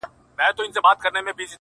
ته یې کاږه زموږ لپاره خدای عادل دی,